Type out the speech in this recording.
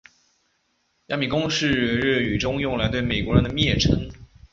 亚米公是日语中用来对美国人的蔑称。